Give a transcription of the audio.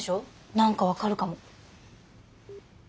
何か分かるかも。